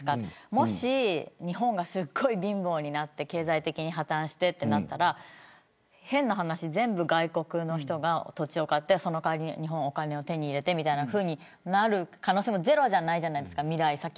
もし日本が、すごい貧乏になって経済的に破綻したら変な話全部、外国の人が土地を買って代わりに日本はお金を手に入れてという可能性もゼロじゃないじゃないですか。